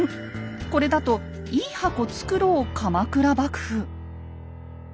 これだと「いい箱つくろう」鎌倉幕府。